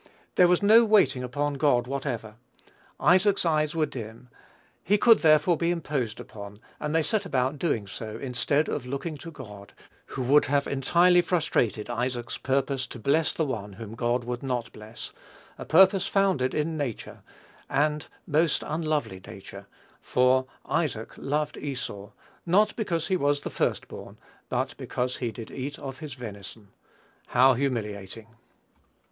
There was no waiting upon God whatever. Isaac's eyes were dim: he could therefore be imposed upon, and they set about doing so, instead of looking to God, who would have entirely frustrated Isaac's purpose to bless the one whom God would not bless, a purpose founded in nature, and most unlovely nature, for "Isaac loved Esau," not because he was the first born, but "because he did eat of his venison." How humiliating!